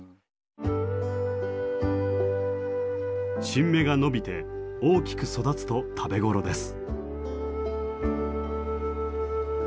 新芽が伸びて大きく育つと食べ頃です。